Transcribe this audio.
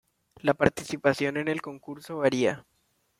La participación en el concurso varía.